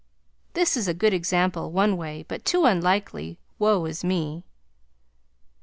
This is a good example one way, but too unlikely, woe is me!